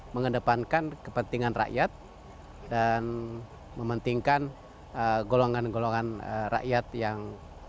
mengedepankan kepentingan rakyat dan mementingkan golongan golongan rakyat yang